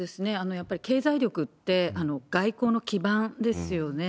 やっぱり経済力って、外交の基盤ですよね。